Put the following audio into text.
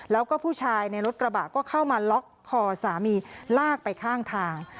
แล้วก็ผู้ชายในรถกระบะก็เข้ามาล็อกคอสามีลากไปข้างทาง